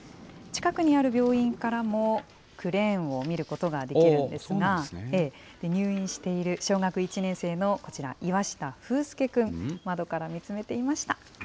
近くにある病院からもクレーンを見ることができるんですが、入院している小学１年生のこちら、岩下風介君、窓から見つめていました。